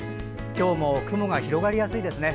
今日も雲が広がりやすいですね。